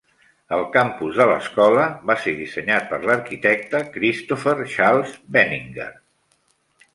El campus de l'escola va ser dissenyat per l'arquitecte Christopher Charles Benninger.